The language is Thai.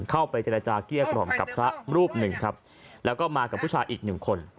เข้าไปจะละจากเกี่ยวกรอบกับพระรูปหนึ่งครับแล้วก็มากับผู้ชายอีกนิ่มคน